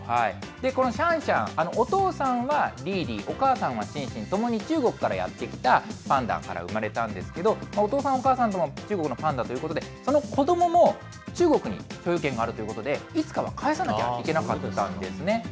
このシャンシャン、お父さんはリーリー、お母さんはシンシンともに中国からやって来たパンダから産まれたんですけど、お父さん、お母さんとも中国のパンダということで、子どもも中国に所有権があるということで、いつかは返さなきゃいけなかったんですね。